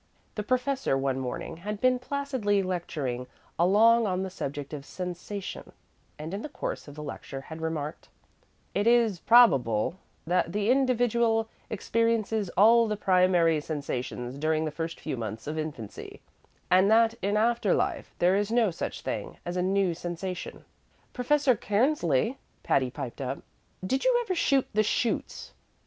The professor, one morning, had been placidly lecturing along on the subject of sensation, and in the course of the lecture had remarked: "It is probable that the individual experiences all the primary sensations during the first few months of infancy, and that in after life there is no such thing as a new sensation." "Professor Cairnsley," Patty piped up, "did you ever shoot the chutes?"